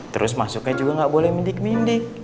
terus masuknya juga gak boleh mendik mendik